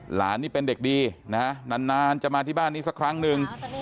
หลานนี่เป็นเด็กดีนะฮะนานจะมาที่บ้านนี้สักครั้งหนึ่ง